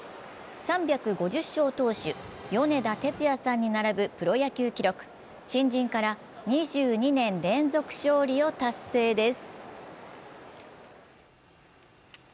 ３５０勝投手・米田哲也さんに並ぶプロ野球記録、新人から２２年連続勝利を達成です。